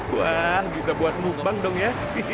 wah bisa buat mumbang dong ya